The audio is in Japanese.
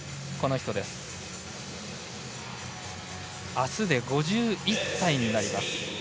あすで５１歳になります。